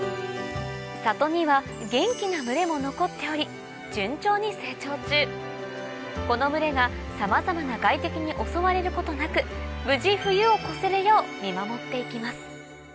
里には元気な群れも残っており順調に成長中この群れがさまざまな外敵に襲われることなく無事冬を越せるよう見守って行きます